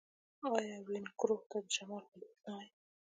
آیا وینکوور ته د شمال هالیوډ نه وايي؟